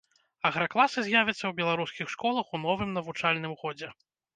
Агракласы з'явяцца ў беларускіх школах у новым навучальным годзе.